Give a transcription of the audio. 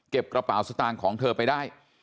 กระเป๋าสตางค์ของเธอไปได้